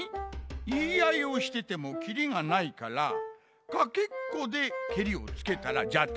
いいあいをしててもキリがないからかけっこでケリをつけたらじゃと？